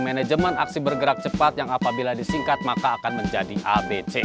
manajemen aksi bergerak cepat yang apabila disingkat maka akan menjadi abc